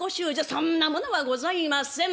そんなものはございません。